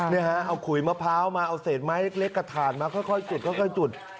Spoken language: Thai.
นี่ฮะเอาขุยมะพร้าวมาเอาเศษไม้เล็กกระถาดมาค่อยจุดค่อยจุด